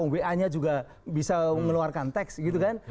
wa nya juga bisa mengeluarkan teks gitu kan